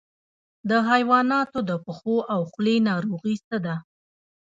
د حیواناتو د پښو او خولې ناروغي څه ده؟